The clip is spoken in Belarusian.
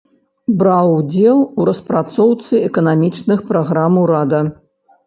Браў удзел у распрацоўцы эканамічных праграм урада.